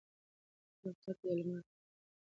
الوتکه د لمر د لومړنیو وړانګو سره خپل منزل ته نږدې شوه.